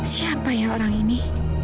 siapa ya orang ini